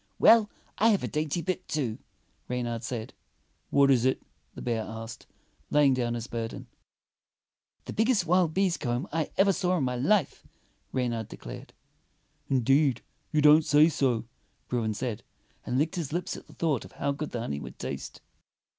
"Well, I have a dainty bit, too," Reynard said. "What is it.^ " the bear asked, laying down his burden. "The biggest wild bees' comb I ever saw in my life," Reynard declared. "Indeed, you don't say so," Bruin said, and licked his lips at thought of how good the honey would taste.